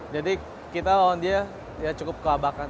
jadi kita lawan dia cukup keabatan